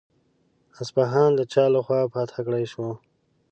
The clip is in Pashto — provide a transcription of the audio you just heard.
اصفهان د چا له خوا فتح کړای شو؟